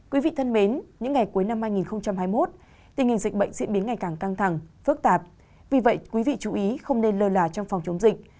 quý vị thân mến những ngày cuối năm hai nghìn hai mươi một tình hình dịch bệnh diễn biến ngày càng căng thẳng phức tạp vì vậy quý vị chú ý không nên lơ là trong phòng chống dịch